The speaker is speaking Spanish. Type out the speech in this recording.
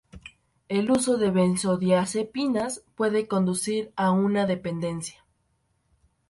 El uso de benzodiacepinas puede conducir a una dependencia.